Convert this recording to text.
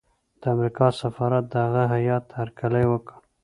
د امریکا سفارت د هغه هیات هرکلی وکړ.